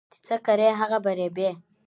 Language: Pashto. چي څه کرې هغه به رېبې